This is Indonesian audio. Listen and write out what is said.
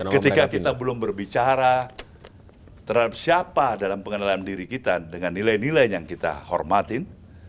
ketika kita belum berbicara terhadap siapa dalam pengenalan diri kita dengan nilai nilai yang kita hormatin